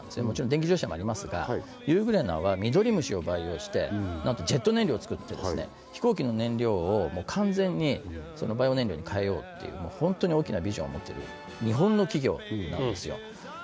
もちろん電気自動車もありますがユーグレナはミドリムシを培養してなんとジェット燃料を作って飛行機の燃料をもう完全にバイオ燃料にかえようっていうもうホントに大きなビジョンを持ってる日本の企業なんですよ